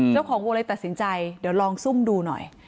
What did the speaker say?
เจ้าของวัวเลยตัดสินใจเดี๋ยวลองซุ่มดูหน่อย